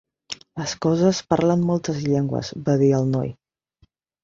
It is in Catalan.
"Les coses parlen moltes llengües", va dir el noi.